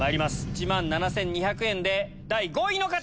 １万７２００円で第５位の方！